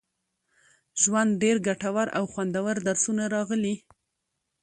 ژوند، ډېر ګټور او خوندور درسونه راغلي